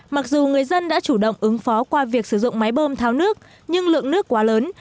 mặc dù người dân đã chủ động ứng phó qua việc sử dụng máy bơm tháo nước nhưng lượng nước quá lớn